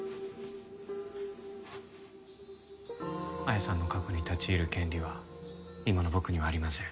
彩さんの過去に立ち入る権利は今の僕にはありません。